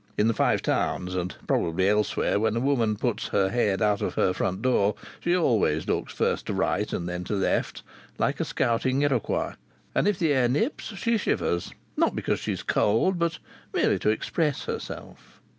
In the Five Towns, and probably elsewhere, when a woman puts her head out of her front door, she always looks first to right and then to left, like a scouting Iroquois, and if the air nips she shivers not because she is cold, but merely to express herself.